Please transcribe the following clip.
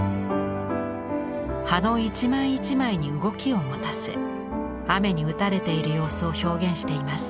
葉の一枚一枚に動きを持たせ雨に打たれている様子を表現しています。